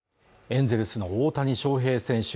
エンゼルスの大谷翔平選手